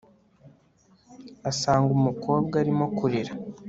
asanga umukobwa arimo kurira